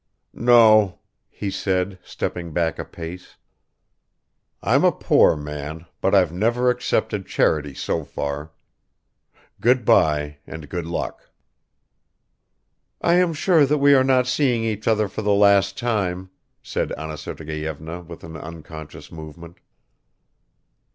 "No," he said, stepping back a pace. "I'm a poor man, but I've never accepted charity so far. Good by and good luck." "I am sure that we are not seeing each other for the last time," said Anna Sergeyevna with an unconscious movement.